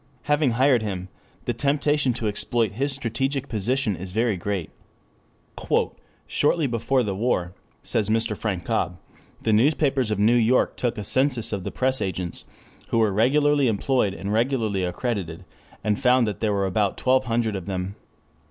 Having hired him, the temptation to exploit his strategic position is very great. "Shortly before the war," says Mr. Frank Cobb, "the newspapers of New York took a census of the press agents who were regularly employed and regularly accredited and found that there were about twelve hundred of them.